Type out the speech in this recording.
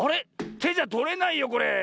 てじゃとれないよこれ。